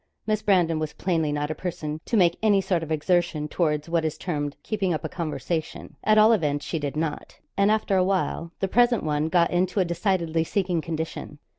Miss Brandon was plainly not a person to make any sort of exertion towards what is termed keeping up a conversation; at all events she did not, and after a while the present one got into a decidedly sinking condition.